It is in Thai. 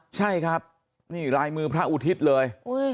ใช่ครับนี่ลายมือพระอุทิศเลย